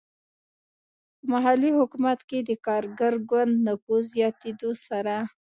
په محلي حکومت کې د کارګر ګوند نفوذ زیاتېدو سره.